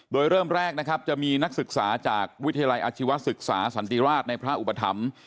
โดยเริ่มแรกนะครับจะมีนักศึกษาจากวิทยาลัยอาชีวศึกษาสันติราชในพระอุปถัมภ์